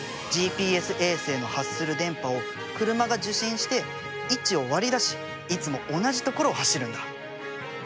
ＧＰＳ衛星の発する電波を車が受信して位置を割り出しいつも同じ所を走るんだ。